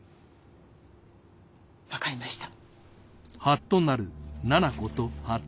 わかりました。